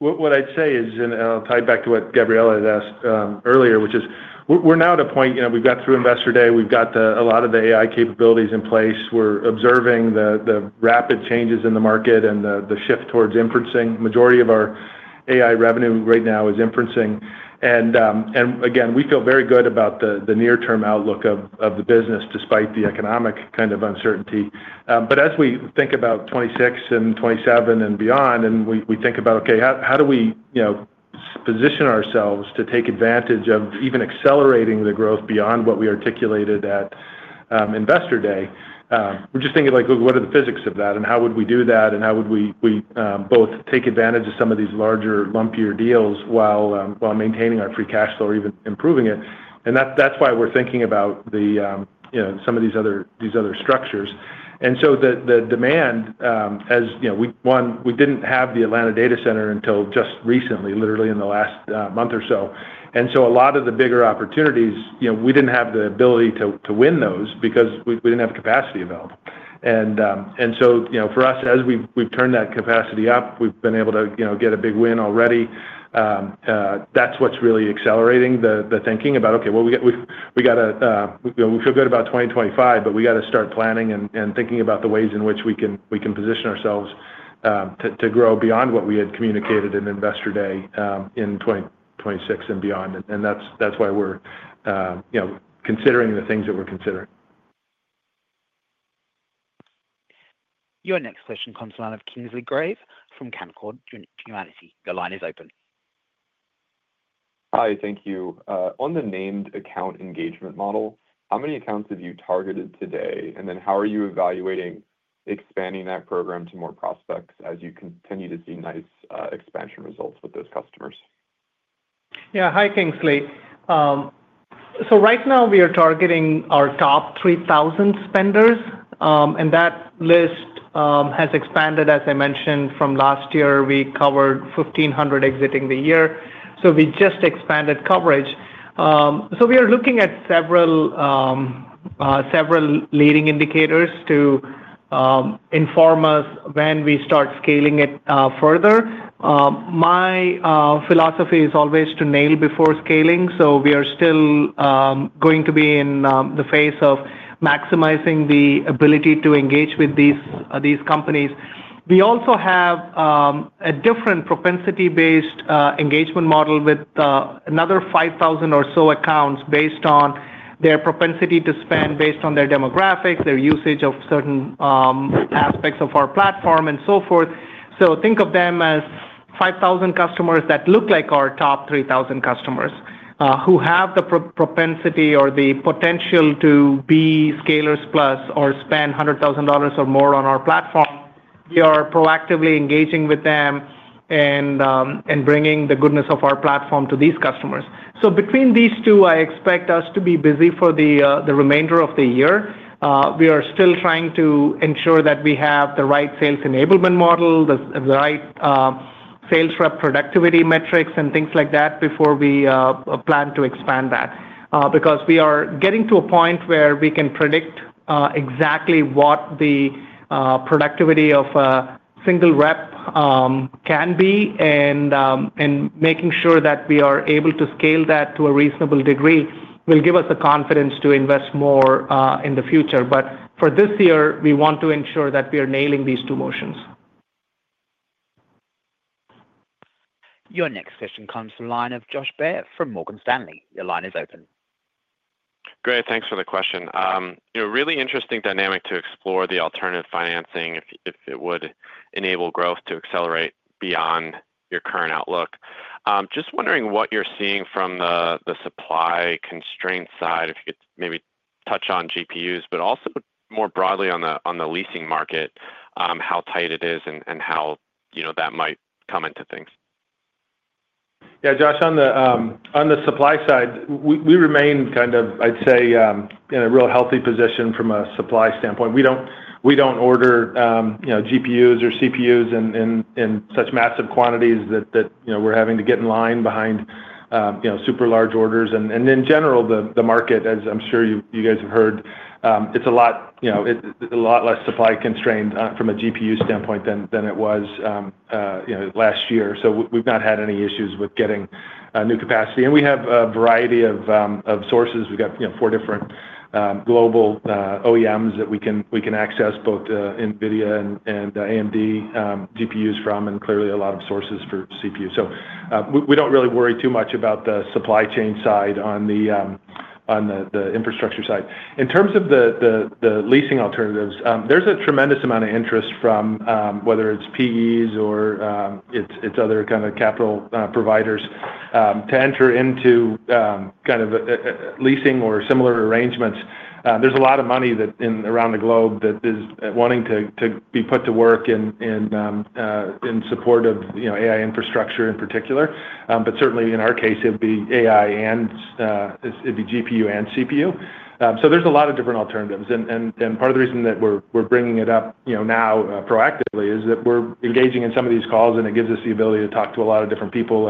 What I'd say is, and I'll tie it back to what Gabriela had asked earlier, which is we're now at a point we've got through investor day, we've got a lot of the AI capabilities in place. We're observing the rapid changes in the market and the shift towards inferencing. The majority of our AI revenue right now is inferencing. Again, we feel very good about the near-term outlook of the business despite the economic kind of uncertainty. As we think about 2026 and 2027 and beyond, and we think about, "Okay, how do we position ourselves to take advantage of even accelerating the growth beyond what we articulated at investor day?" we're just thinking like, "What are the physics of that? And how would we do that? How would we both take advantage of some of these larger lumpier deals while maintaining our free cash flow or even improving it? That is why we are thinking about some of these other structures. The demand, as one, we did not have the Atlanta Data Center until just recently, literally in the last month or so. A lot of the bigger opportunities, we did not have the ability to win those because we did not have capacity available. For us, as we have turned that capacity up, we have been able to get a big win already. That's what's really accelerating the thinking about, "Okay, well, we got to feel good about 2025, but we got to start planning and thinking about the ways in which we can position ourselves to grow beyond what we had communicated in investor day in 2026 and beyond." That's why we're considering the things that we're considering. Your next question comes to the line of Kingsley Crane from Canaccord. Your line is open. Hi, thank you. On the named account engagement model, how many accounts have you targeted today? How are you evaluating expanding that program to more prospects as you continue to see nice expansion results with those customers? Yeah. Hi, Kingsley. Right now we are targeting our top 3,000 spenders, and that list has expanded, as I mentioned, from last year. We covered 1,500 exiting the year. We just expanded coverage. We are looking at several leading indicators to inform us when we start scaling it further. My philosophy is always to nail before scaling. We are still going to be in the phase of maximizing the ability to engage with these companies. We also have a different propensity-based engagement model with another 5,000 or so accounts based on their propensity to spend, based on their demographics, their usage of certain aspects of our platform, and so forth. Think of them as 5,000 customers that look like our top 3,000 customers who have the propensity or the potential to be scalers plus or spend $100,000 or more on our platform. We are proactively engaging with them and bringing the goodness of our platform to these customers. Between these two, I expect us to be busy for the remainder of the year. We are still trying to ensure that we have the right sales enablement model, the right sales rep productivity metrics, and things like that before we plan to expand that because we are getting to a point where we can predict exactly what the productivity of a single rep can be. Making sure that we are able to scale that to a reasonable degree will give us the confidence to invest more in the future. For this year, we want to ensure that we are nailing these two motions. Your next question comes to the line of Joshua Baird from Morgan Stanley. Your line is open. Great. Thanks for the question. Really interesting dynamic to explore the alternative financing if it would enable growth to accelerate beyond your current outlook. Just wondering what you're seeing from the supply constraint side, if you could maybe touch on GPUs, but also more broadly on the leasing market, how tight it is and how that might come into things. Yeah, Josh, on the supply side, we remain kind of, I'd say, in a real healthy position from a supply standpoint. We do not order GPUs or CPUs in such massive quantities that we are having to get in line behind super large orders. In general, the market, as I am sure you guys have heard, is a lot less supply constrained from a GPU standpoint than it was last year. We have not had any issues with getting new capacity. We have a variety of sources. We have four different global OEMs that we can access both NVIDIA and AMD GPUs from, and clearly a lot of sources for CPU. We do not really worry too much about the supply chain side on the infrastructure side. In terms of the leasing alternatives, there's a tremendous amount of interest from whether it's PEs or it's other kind of capital providers to enter into kind of leasing or similar arrangements. There's a lot of money around the globe that is wanting to be put to work in support of AI infrastructure in particular. Certainly, in our case, it'd be AI and it'd be GPU and CPU. There are a lot of different alternatives. Part of the reason that we're bringing it up now proactively is that we're engaging in some of these calls, and it gives us the ability to talk to a lot of different people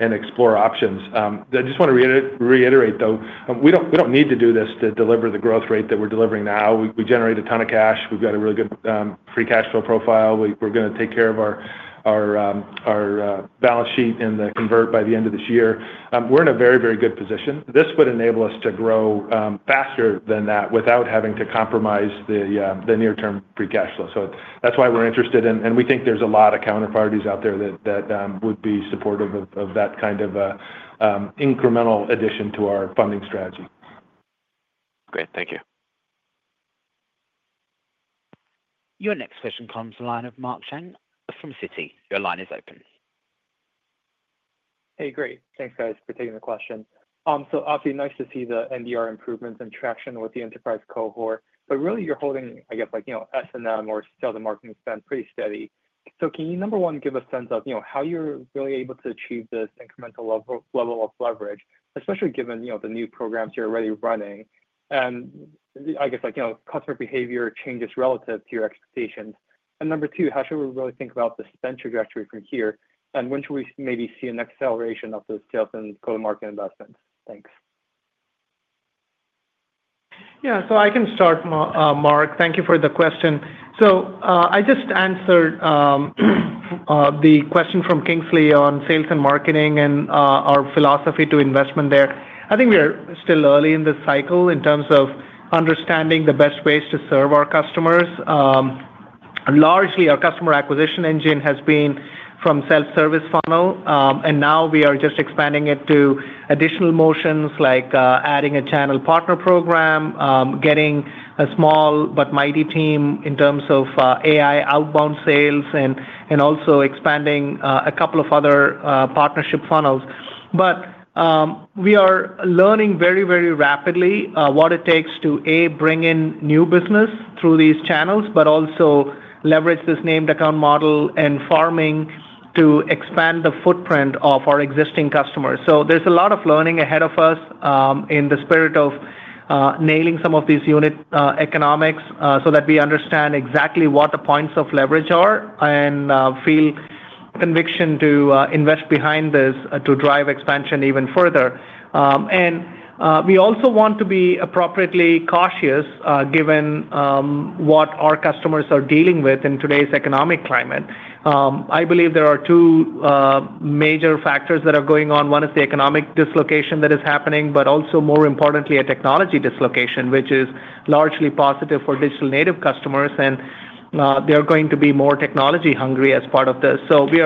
and explore options. I just want to reiterate, though, we don't need to do this to deliver the growth rate that we're delivering now. We generate a ton of cash. We've got a really good free cash flow profile. We're going to take care of our balance sheet and convert by the end of this year. We're in a very, very good position. This would enable us to grow faster than that without having to compromise the near-term free cash flow. That's why we're interested in, and we think there's a lot of counterparties out there that would be supportive of that kind of incremental addition to our funding strategy. Great. Thank you. Your next question comes to the line of Mark Zhang from Citi. Your line is open. Hey, great. Thanks, guys, for taking the question. Obviously, nice to see the NDR improvements and traction with the enterprise cohort. Really, you're holding, I guess, S&M or sales and marketing spend pretty steady. Can you, number one, give a sense of how you're really able to achieve this incremental level of leverage, especially given the new programs you're already running? I guess customer behavior changes relative to your expectations. Number two, how should we really think about the spend trajectory from here? When should we maybe see an acceleration of those sales and go-to-market investments? Thanks. Yeah. I can start, Mark. Thank you for the question. I just answered the question from Kingsley on sales and marketing and our philosophy to investment there. I think we are still early in the cycle in terms of understanding the best ways to serve our customers. Largely, our customer acquisition engine has been from self-service funnel, and now we are just expanding it to additional motions like adding a channel partner program, getting a small but mighty team in terms of AI outbound sales, and also expanding a couple of other partnership funnels. We are learning very, very rapidly what it takes to, A, bring in new business through these channels, but also leverage this named account model and farming to expand the footprint of our existing customers. There is a lot of learning ahead of us in the spirit of nailing some of these unit economics so that we understand exactly what the points of leverage are and feel conviction to invest behind this to drive expansion even further. We also want to be appropriately cautious given what our customers are dealing with in today's economic climate. I believe there are two major factors that are going on. One is the economic dislocation that is happening, but also, more importantly, a technology dislocation, which is largely positive for digital native customers. They are going to be more technology hungry as part of this. We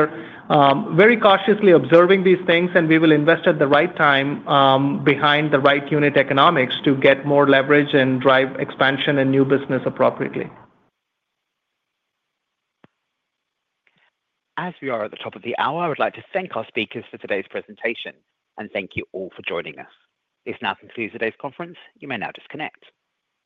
are very cautiously observing these things, and we will invest at the right time behind the right unit economics to get more leverage and drive expansion and new business appropriately. As we are at the top of the hour, I would like to thank our speakers for today's presentation and thank you all for joining us. This now concludes today's conference. You may now disconnect.